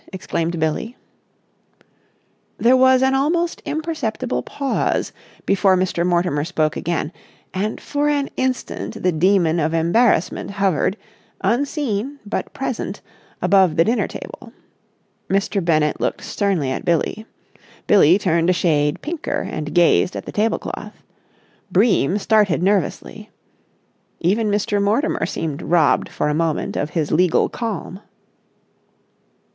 exclaimed Billie. There was an almost imperceptible pause before Mr. Mortimer spoke again, and for an instant the demon of embarrassment hovered, unseen but present, above the dinner table. Mr. Bennett looked sternly at Billie; Billie turned a shade pinker and gazed at the tablecloth; Bream started nervously. Even Mr. Mortimer seemed robbed for a moment of his legal calm.